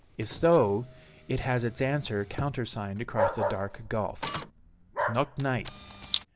If so, it has its answer countersigned across the dark gulf. "_Noch nicht!